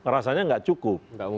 rasanya nggak cukup